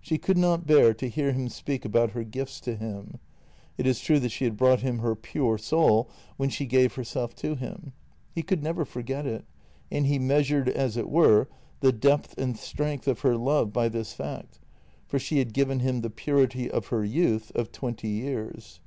She could not bear to hear him speak about her gifts to him. It is true that she had brought him her pure soul when she gave herself to him. He could never forget it, and he measured, as it were, the depth and strength of her love by this fact, for she had given him the purity of her youth — of twenty years.